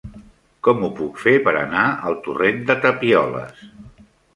Com ho puc fer per anar al torrent de Tapioles?